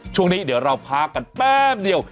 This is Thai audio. ช่วงนี้เดี๋ยวเราพักกันแป๊บเดียว